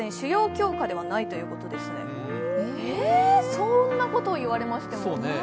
そんなこと言われましても。